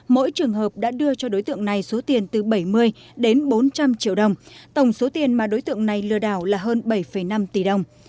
mỗi trường hợp đã đưa cho đối tượng này số tiền từ bảy mươi đến bốn trăm linh triệu đồng tổng số tiền mà đối tượng này lừa đảo là hơn bảy năm tỷ đồng